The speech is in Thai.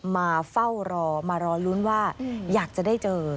มาเฝ้ารอมารอลุ้นว่าอยากจะได้เจอ